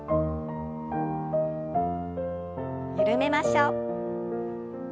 緩めましょう。